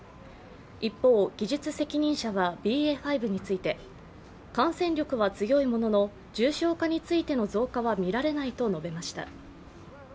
一方、技術責任者はＢＡ．５について感染力は強いものの、重症化についての増加は見られないと述べました。